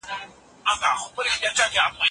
کوم پروګرام ستا په نظر ډېر مهم دی؟